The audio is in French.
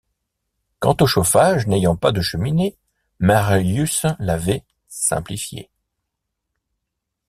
Quant au chauffage, n’ayant pas de cheminée, Marius l’avait « simplifié ».